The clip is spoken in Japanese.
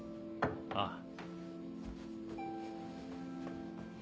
ああ。